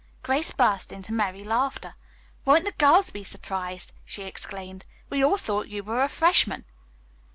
Grace burst into merry laughter. "Won't the girls be surprised!" she exclaimed. "We all thought you were a freshman."